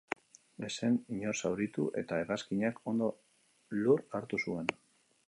Ez zen inor zauritu, eta hegazkinak ondo lur hartu zuen.